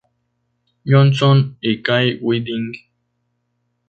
Johnson y Kai Winding.